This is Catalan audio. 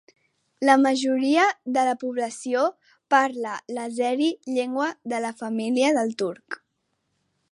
La majoria de la població parla l'àzeri, llengua de la família del turc.